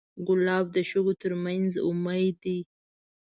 ګلاب د شګو تر منځ امید دی.